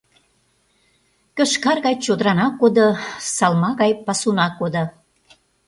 Кышкар гай чодырана кодо, салма гай пасуна кодо.